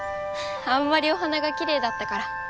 あんまりお花がきれいだったから。